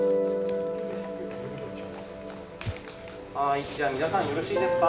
はいじゃあ皆さんよろしいですか？